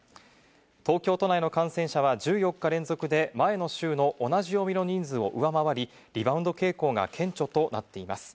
東京都内の感染者は、１４日連続で、前の週の同じ曜日の人数を上回り、リバウンド傾向が顕著となっています。